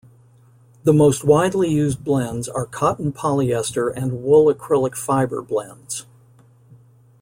The most widely used blends are cotton-polyester and wool-acrylic fibre blends.